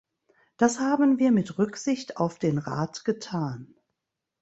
Das haben wir mit Rücksicht auf den Rat getan.